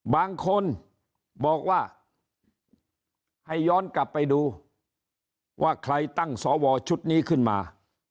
บางคนบอกว่าให้ย้อนกลับไปดูว่าใครตั้งสวชุดนี้ขึ้นมา